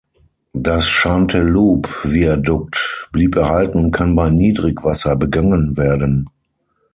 Das Chanteloube-Viadukt blieb erhalten und kann bei Niedrigwasser begangen werden.